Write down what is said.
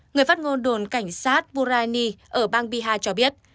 người phát ngôn đồn cảnh sát buraini ở bang bihar cho biết